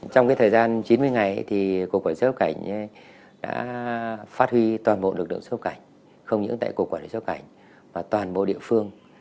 trong thời gian chín mươi ngày cục quản lý xuất nhập cảnh đã phát huy toàn bộ lực lượng xuất nhập cảnh không những tại cục quản lý xuất nhập cảnh mà toàn bộ địa phương